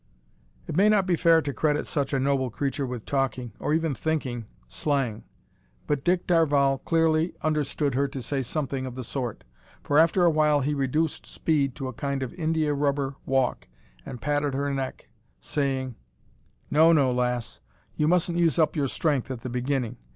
It may not be fair to credit such a noble creature with talking, or even thinking, slang, but Dick Darvall clearly understood her to say something of the sort, for after a while he reduced speed to a kind of india rubber walk and patted her neck, saying "No, no, lass, you mustn't use up your strength at the beginning.